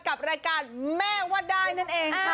กับรายการแม่ว่าได้นั่นเองค่ะ